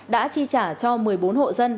đã chi trả cho một mươi bốn hộ dân